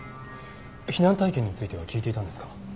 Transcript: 避難体験については聞いていたんですか？